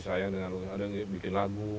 sayang dengan ada yang bikin lagu